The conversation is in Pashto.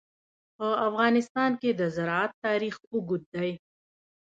په افغانستان کې د زراعت تاریخ اوږد دی.